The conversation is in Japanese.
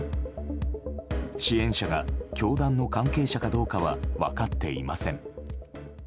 支援者が教団の関係者かどうかは分かっていません。